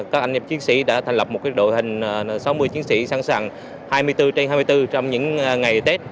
các anh hiệp chiến sĩ đã thành lập một đội hình sáu mươi chiến sĩ sẵn sàng hai mươi bốn trên hai mươi bốn trong những ngày tết